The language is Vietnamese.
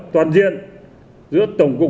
toàn diện giữa tổng cục